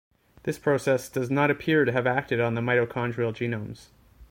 This process does not appear to have acted on the mitochondrial genomes.